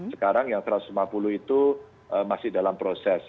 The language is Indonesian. sekarang yang satu ratus lima puluh itu masih dalam proses